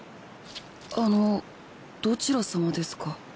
あのどちら様ですか？